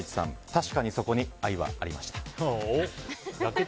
確かにそこに愛はありました。